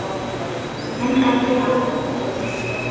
لن أبيعه.